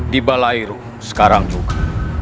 di balairu sekarang juga